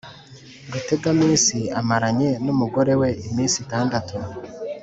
rutegaminsi amaranye n' umugore we iminsi itandatu